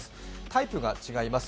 タイプが違います。